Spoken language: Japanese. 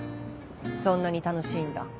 そんなに楽しいんだ。